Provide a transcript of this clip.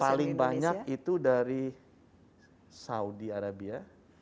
paling banyak itu dari saudi arabia